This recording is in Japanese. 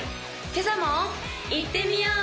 今朝もいってみよう！